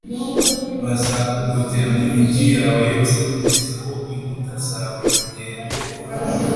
Bazakugotera mu migi yawe yose kugeza aho inkuta zawe ndende